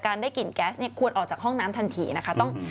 ได้กลิ่นแก๊สเนี่ยควรออกจากห้องน้ำทันทีนะคะ